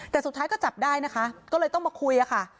แต่สุดท้ายก็จับได้นะคะก็เลยต้องมาคุยอะค่ะ